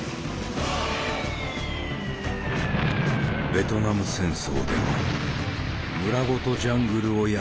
ベトナム戦争では村ごとジャングルを焼き払った。